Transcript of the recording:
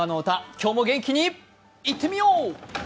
今日も元気にいってみよう。